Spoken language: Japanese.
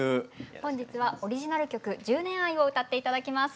本日はオリジナル曲「１０年愛」を歌って頂きます。